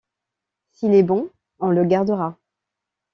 S'il est bon, on le gardera.